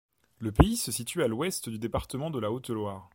Le pays se situe à l'ouest du département de la Haute-Loire.